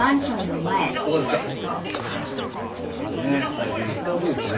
財布見つかるといいですね。